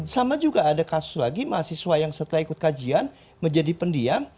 sama juga ada kasus lagi mahasiswa yang setelah ikut kajian menjadi pendiam